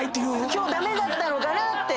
今日駄目だったのかなと。